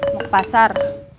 mau ke pasar